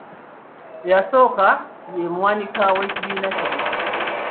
Eyasooka ye muwanika w'ekibiina kino.